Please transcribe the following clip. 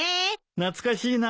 懐かしいな。